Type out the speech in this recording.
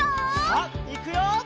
さあいくよ！